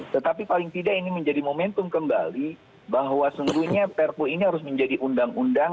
tetapi paling tidak ini menjadi momentum kembali bahwa seluruhnya perpu ini harus menjadi undang undang